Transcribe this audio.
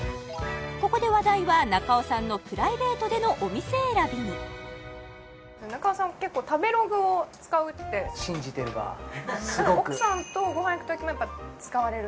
ここで話題は中尾さんのプライベートでのお店選びに中尾さん結構食べログを使うって信じてるわすごく奥さんとごはん行くときもやっぱ使われる？